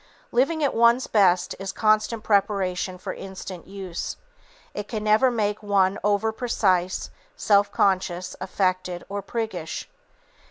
Living at one's best is constant preparation for instant use. It can never make one over precise, self conscious, affected, or priggish.